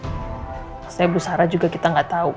pasti bu sarah juga kita gak tau